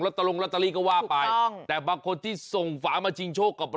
รัตตาลงรัตตาลีก็ว่าไปแต่บางคนที่ส่งฝามาชิงโชคกับ